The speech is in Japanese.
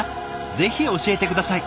ぜひ教えて下さい。